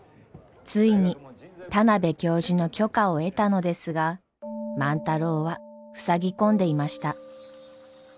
ついに田邊教授の許可を得たのですが万太郎はふさぎ込んでいました。